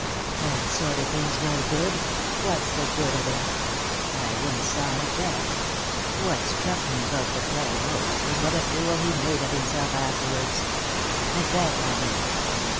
" That sort of thing's no good ; what's the good of it ? I once saw Macbeth ; what struck me about the play most was what a fool he made of himselt afterwards— Macbeth, I mean.